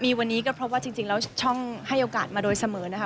มีวันนี้ก็เพราะว่าจริงแล้วช่องให้โอกาสมาโดยเสมอนะคะ